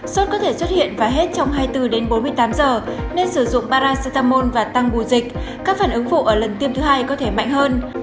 sốt có thể xuất hiện và hết trong hai mươi bốn đến bốn mươi tám giờ nên sử dụng paracetamol và tăng bù dịch các phản ứng phụ ở lần tiêm thứ hai có thể mạnh hơn